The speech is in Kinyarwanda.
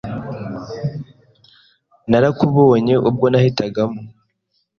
Narakubonye ubwo nahitagamo